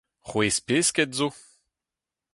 C'hwezh pesked zo.